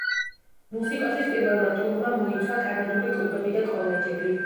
მუსიკოსის პირველმა ტურმა მოიცვა კანადური კლუბები და კოლეჯები.